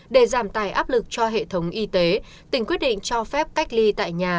để giảm tài áp lực cho hệ thống y tế tỉnh quyết định cho phép cách ly tại nhà